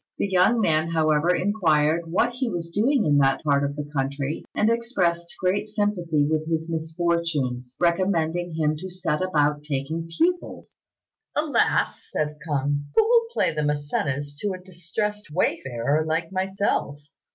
The young man, however, inquired what he was doing in that part of the country, and expressed great sympathy with his misfortunes, recommending him to set about taking pupils. "Alas!" said K'ung, "who will play the Mæcenas to a distressed wayfarer like myself?"